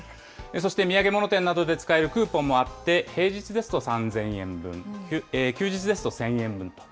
そして土産物店などで使えるクーポンもあって、平日ですと３０００円分、休日ですと１０００円分と。